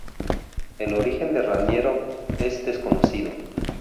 El origen de Raniero es desconocido.